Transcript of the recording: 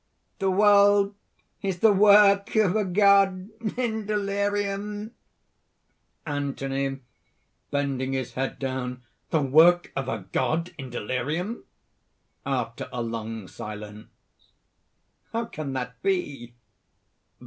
_) "The world is the work of a God in delirium!" ANTHONY (bending his head down). "The work of a God in delirium!..." (After a long silence): "How can that be?"